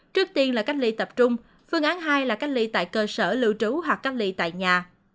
trước tiên là cách ly tập trung phương án hai là cách ly tại cơ sở lưu trú hoặc cách ly tại nhà